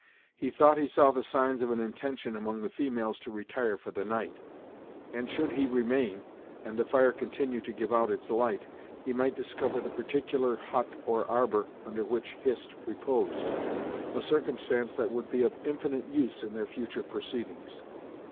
He thought he saw the signs of an intention among the females to retire for the night; and should he remain, and the fire continue to give out its light, he might discover the particular hut or arbour under which Hist reposed; a circumstance that would be of infinite use in their future proceedings.